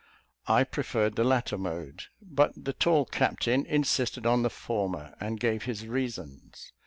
I preferred the latter mode; but the tall captain insisted on the former, and gave his reasons.